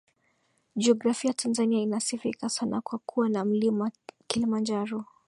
Jiografia Tanzania inasifika sana kwa kuwa na Mlima Kilimanjaro